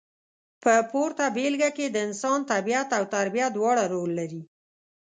په پورته بېلګه کې د انسان طبیعت او تربیه دواړه رول لري.